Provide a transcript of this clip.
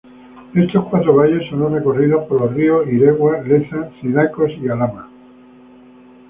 Estos cuatro valles son los recorridos por los ríos Iregua, Leza, Cidacos y Alhama.